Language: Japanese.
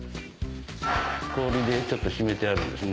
氷でちょっと締めてあるんですね。